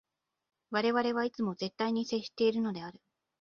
我々はいつも絶対に接しているのである。